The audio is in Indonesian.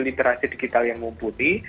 literasi digital yang mumpuni